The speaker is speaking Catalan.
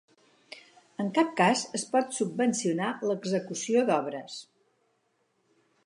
En cap cas es pot subvencionar l'execució d'obres.